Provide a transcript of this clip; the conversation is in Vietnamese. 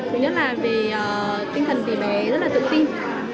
thứ nhất là vì tinh thần thì bé rất là tự tin